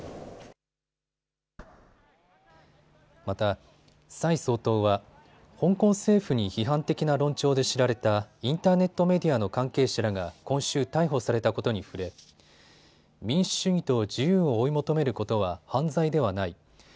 また蔡総統は香港政府に批判的な論調で知られたインターネットメディアの関係者らが今週逮捕されたことに触れ民主主義と自由を追い求めることは犯罪ではない。